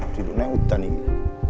di dunia hutan ini